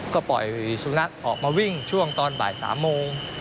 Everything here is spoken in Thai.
ก็ปล่อยสุนัขออกมาวิ่งช่วงตอนบ่าย๓โมง